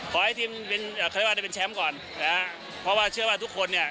ขอให้ทีมเป็นอ่าเขาเรียกว่าได้เป็นแชมป์ก่อนนะฮะเพราะว่าเชื่อว่าทุกคนเนี่ย